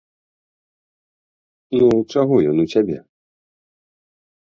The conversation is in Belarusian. Ну, чаго ён у цябе?